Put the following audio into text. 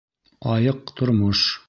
Айыҡ тормош